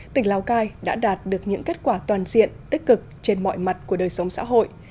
tỉnh lào cai đã đạt được những kết quả toàn diện tích cực trên mọi mặt của đời sống xã hội